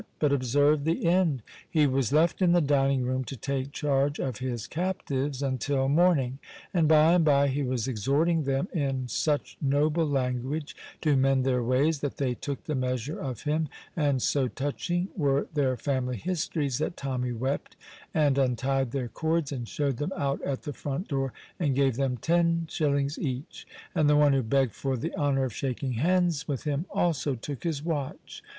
But observe the end. He was left in the dining room to take charge of his captives until morning, and by and by he was exhorting them in such noble language to mend their ways that they took the measure of him, and so touching were their family histories that Tommy wept and untied their cords and showed them out at the front door and gave them ten shillings each, and the one who begged for the honour of shaking hands with him also took his watch.